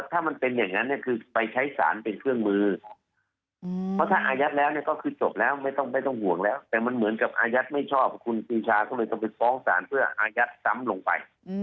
แต่มันเหมือนกับอายัดไม่ชอบคุณศีรชาเขาเลยจะไปป้องสารเพื่ออายัดซ้ำลงไป